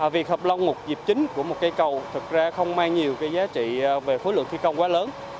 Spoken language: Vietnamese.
việc hợp long một dịp chính của một cây cầu thực ra không mang nhiều giá trị về khối lượng thi công quá lớn